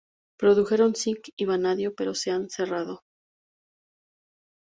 Produjeron zinc y vanadio, pero se han cerrado.